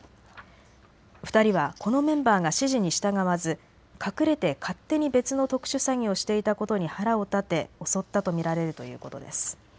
２人は、このメンバーが指示に従わず隠れて勝手に別の特殊詐欺をしていたことに腹を立て襲ったと見られるということです。